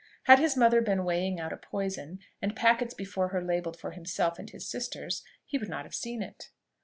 Had his mother been weighing out a poison, and packets before her labelled for himself and his sisters, he would not have seen it.